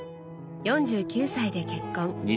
４９歳で結婚。